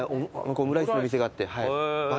オムライスのお店があって。